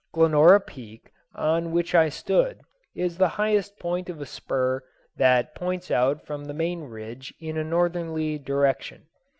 Glenora Peak, on which I stood, is the highest point of a spur that puts out from the main range in a northerly direction.